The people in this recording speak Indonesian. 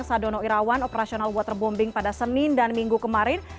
sadono irawan operasional waterbombing pada senin dan minggu kemarin